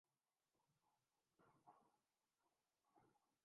یہ اس بیانیے کا احیا ہے جو اس جماعت کی اساس تھا۔